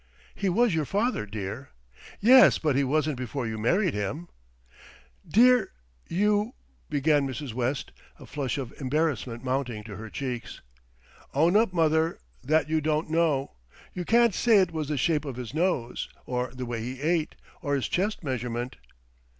"He was your father, dear." "Yes; but he wasn't before you married him." "Dear, you " began Mrs. West, a flush of embarrassment mounting to her cheeks. "Own up, mother, that you don't know. You can't say it was the shape of his nose, or the way he ate, or his chest measurement."